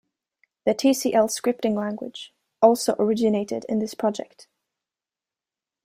The Tcl scripting language also originated in this project.